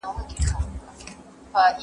ایا سرمایوي اجناس د بیلارۍ مخه نیسي؟